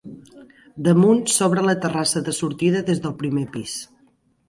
Damunt s'obre la terrassa de sortida des del primer pis.